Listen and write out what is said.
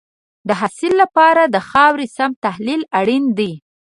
د حاصل لپاره د خاورې سم تحلیل اړین دی.